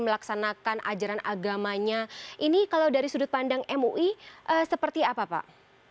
melaksanakan ajaran agamanya ini kalau dari sudut pandang mui seperti apa pak